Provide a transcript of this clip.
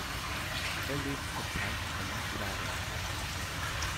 Er lebt zurzeit in Berlin-Kladow.